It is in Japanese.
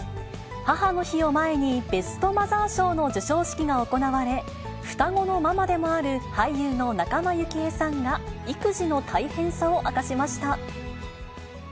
母の日を前に、ベストマザー賞の授賞式が行われ、双子のママでもある、俳優の仲間由紀恵さんが、育児の大変さを明かしました。